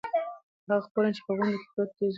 هغه کور چې په غونډۍ پروت دی زموږ دی.